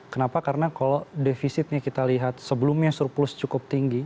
kenapa karena kalau defisitnya kita lihat sebelumnya surplus cukup tinggi